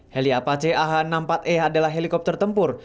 heli apache ah enam puluh empat e adalah helikopter tempur